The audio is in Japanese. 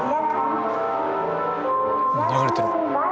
流れてるわ。